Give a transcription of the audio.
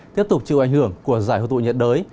tiếp tục chịu ảnh hưởng của giải hội tụ nhiệt đới